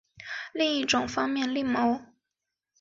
另一方面另行谋职